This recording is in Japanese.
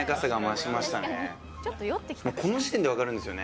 もうこの時点で分かるんですよね